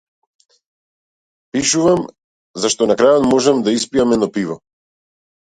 Пишувам зашто на крајот можам да испијам едно пиво.